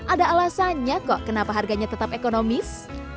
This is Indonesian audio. ada alasannya kok kenapa harganya tetap ekonomis